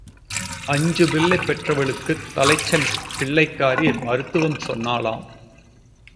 அஞ்சு பிள்ளை பெற்றவளுக்குத் தலைச்சன் பிள்ளைக்காரி மருத்துவம் சொன்னாளாம்.